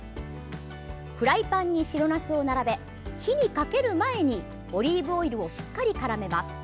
フライパンに白なすを並べ火にかける前にオリーブオイルをしっかりからめます。